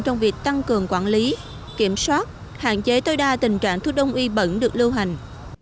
trong việc tăng cường quản lý kiểm soát hạn chế tối đa tình trạng thuốc đông y bẩn được lưu hành